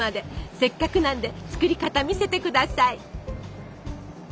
せっかくなんで作り方見せて下さい。